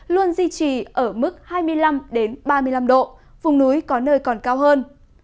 luôn duy trì ở mức hai mươi năm ba mươi năm độ vùng núi có nơi còn cao hơn